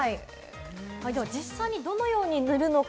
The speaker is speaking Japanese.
実際にどのように塗るのか？